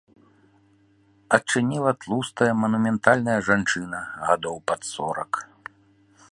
Адчыніла тлустая манументальная жанчына гадоў пад сорак.